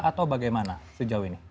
atau bagaimana sejauh ini